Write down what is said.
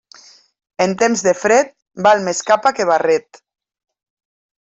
En temps de fred, val més capa que barret.